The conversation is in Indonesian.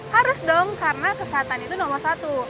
harus dong karena kesehatan itu nomor satu